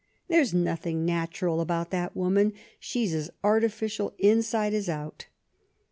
There's nothing natural about that woman ; she's as artificial inside as out."